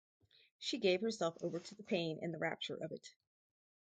She gave herself over to the pain and the rapture of it.